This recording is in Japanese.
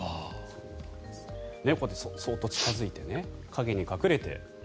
こうやってそっと近付いて陰に隠れて。